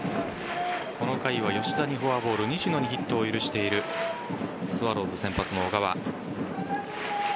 この回は吉田にフォアボール西野にヒットを許しているスワローズ先発の小川。